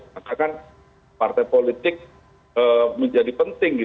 maka kan partai politik menjadi penting